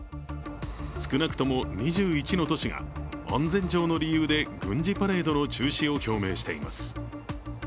少なくとも２１の都市が安全上の理由で軍事パレードの中止を表明しています。